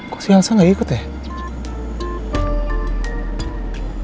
kok si elsa gak ikut ya